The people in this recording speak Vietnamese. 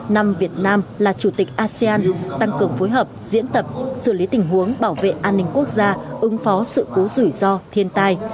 năm việt nam là chủ tịch asean tăng cường phối hợp diễn tập xử lý tình huống bảo vệ an ninh quốc gia ứng phó sự cố rủi ro thiên tai